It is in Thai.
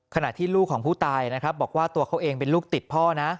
ขณะที่ลูกของผู้ตายนะครับบอกว่าตัวเขาเองเป็นลูกติดพ่อนะ